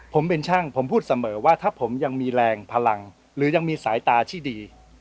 ผมเป็นช่างผมพูดเสมอว่าถ้าผมยังมีแรงพลังหรือยังมีสายตาที่ดี